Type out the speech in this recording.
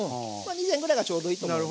２膳ぐらいがちょうどいいと思う。